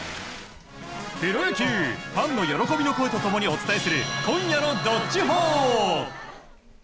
プロ野球ファンの喜びの声と共にお伝えする今夜の「＃どっちほー」。